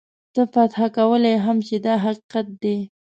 تا فتح کولای هم شي دا حقیقت دی.